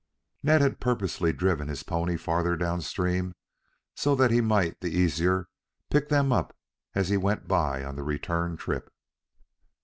Ned had purposely driven his pony further down stream so that he might the easier pick them up as he went by on the return trip.